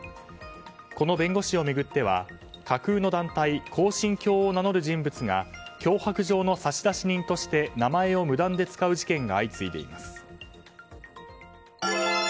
この弁護士を巡っては架空の団体恒心教を名乗る人物が脅迫状の差出人として名前を無断で使う事件が相次いでいます。